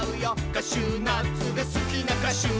「カシューナッツがすきなかしゅ」